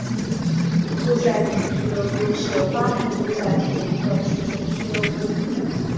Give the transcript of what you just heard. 布赛廷俱乐部是巴林布赛廷的一个足球俱乐部。